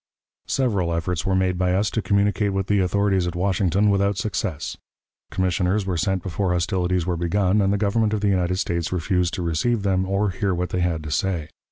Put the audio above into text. Several efforts were made by us to communicate with the authorities at Washington without success. Commissioners were sent before hostilities were begun, and the Government of the United States refused to receive them, or hear what they had to say.